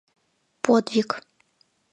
Подвиг